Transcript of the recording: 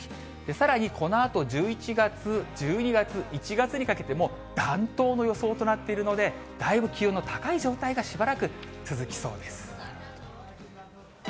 さらにこのあと１１月、１２月、１月にかけても、暖冬の予想となっているので、だいぶ気温の高い状態がしばらく続きそうです。